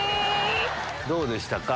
どうでしたか？